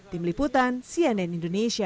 tim liputan cnn indonesia